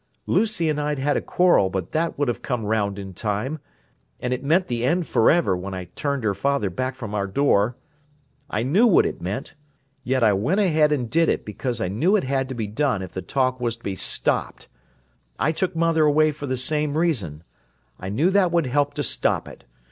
Lucy and I'd had a quarrel, but that would have come round in time—and it meant the end forever when I turned her father back from our door. I knew what it meant, yet I went ahead and did it because knew it had to be done if the talk was to be stopped. I took mother away for the same reason. I knew that would help to stop it.